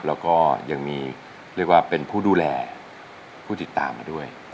แล้วก็ยังมีเรียกว่าเป็นผู้ดูแลผู้ติดตามมาด้วย